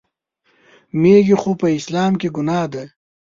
میږي خو په اسلام کې ګناه ده.